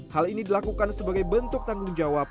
hal ini dilakukan sebagai bentuk tanggung jawab